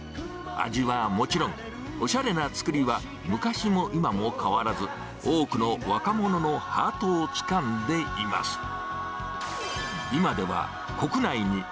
味はもちろん、おしゃれな造りは、昔も今も変わらず、多くの若者のハートをつかんでいます。